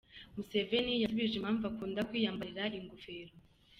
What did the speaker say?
Museveni yasubije impamvu akunda kwiyambarira ingofero.